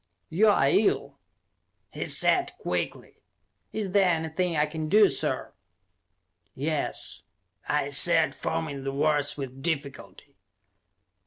"You're ill!" he said quickly. "Is there anything I can do, sir?" "Yes," I said, forming the words with difficulty.